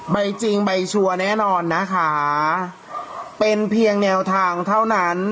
จริงใบชัวร์แน่นอนนะคะเป็นเพียงแนวทางเท่านั้น